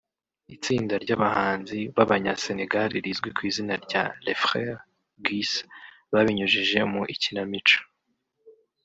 Itsinda ry’abahanzi b’Abanya-Sénégal rizwi ku izina rya ‘Les Frères Guissé’ babinyujije mu ikinamico